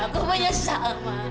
aku menyesal ma